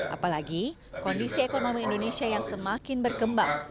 apalagi kondisi ekonomi indonesia yang semakin berkembang